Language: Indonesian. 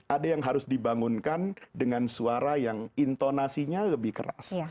ada yang harus dibangunkan dengan suara yang intonasinya lebih keras